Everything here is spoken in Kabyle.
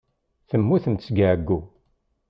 Temmutemt seg ɛeyyu.